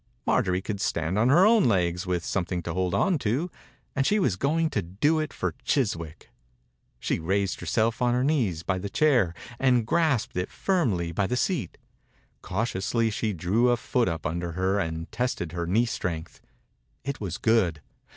Marjorie could stand on her own legs, with something to hold to, and she was going to do it for Chis wick. She raised herself on her knees by the chair, and grasped it firmly by the seat. Cautiously she drew a foot up under her and tested her knee strength. It was good.